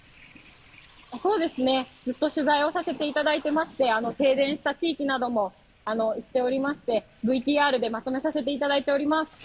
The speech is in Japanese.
ずっと取材をさせていただいていまして、停電した地域なども行っておりましてＶＴＲでまとめさせていただいております。